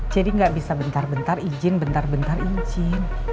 jadi gak bisa bentar bentar izin bentar bentar izin